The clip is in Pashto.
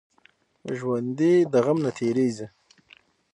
ژوندي د غم نه تېریږي